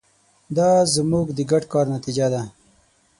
دا زموږ د ګډ کار نتیجه ده.